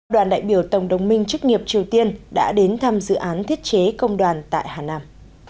đoàn đại biểu tổng đồng minh chức nghiệp triều tiên đã đến thăm dự án thiết chế công đoàn tại hà nam